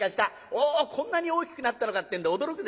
おおこんなに大きくなったのかってんで驚くぜ。